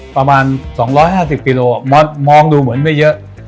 ประมาณ๒๕๐กิโลมองดูเหมือนไม่เยอะ